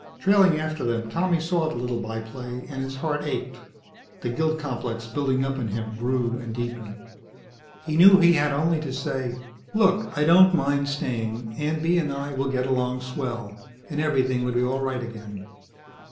Trailing after them, Tommy saw the little by play and his heart ached. The guilt complex building up in him grew and deepened. He knew he had only to say, "Look, I don't mind staying. Aunt Bee and I will get along swell," and everything would be all right again.